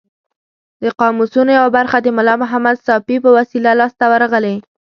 د قاموسونو یوه برخه د ملا محمد ساپي په وسیله لاس ته ورغلې.